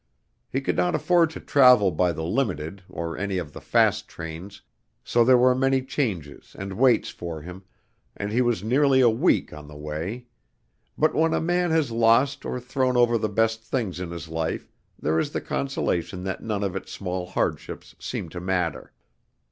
He could not afford to travel by the Limited or any of the fast trains, so there were many changes and waits for him, and he was nearly a week on the way; but when a man has lost or thrown over the best things in his life there is the consolation that none of its small hardships seem to matter.